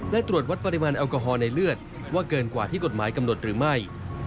และตรวจวัดปริมาณแอลกอฮอล์ในเลือดว่าเกินกว่าที่กฎหมายกำหนดหรือไม่